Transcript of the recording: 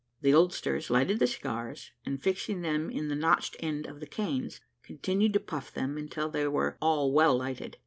The oldsters lighted cigars, and fixing them in the notched end of the canes, continued to puff them until they were all well lighted.